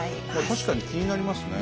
確かに気になりますね。